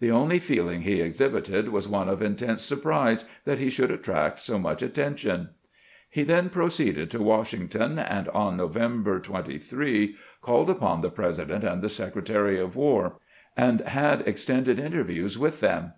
The only feeling he exhibited was one of intense surprise that he should attract so much attention. He then proceeded to Washington, and on November 328 CAMPAIGNING WITH GRANT 23 called upon tlie President and the Secretary of "War, and had extended interviews with them.